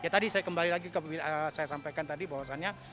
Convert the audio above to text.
ya tadi saya kembali lagi saya sampaikan tadi bahwasannya